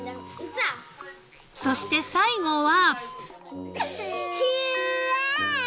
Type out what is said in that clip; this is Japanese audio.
［そして最後は］